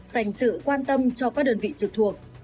dành sự quan tâm cho các đơn vị trực thuộc